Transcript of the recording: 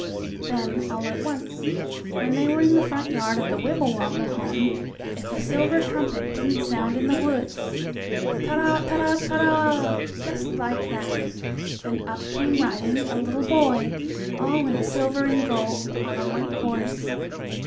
Then, all at once, when they were in the front yard of the Wibblewobble home, if a silver trumpet didn't sound in the woods: "Ta ra ta ra ta ra!" just like that, and up came riding a little boy, all in silver and gold, on a white horse.